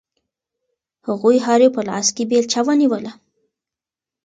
هغوی هر یو په لاس کې بیلچه ونیوله.